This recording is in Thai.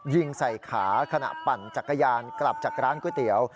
ยิงใส่ขาขณะปั่นจักรยานกลับจากร้านก๋วยเตี๋ยว